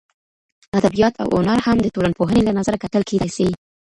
ادبیات او هنر هم د ټولنپوهنې له نظره کتل کېدای سي.